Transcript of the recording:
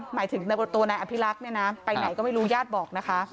หมายถึงตัวนายอภิรักษ์เนี่ยนะไปไหนก็ไม่รู้ญาติบอกนะคะ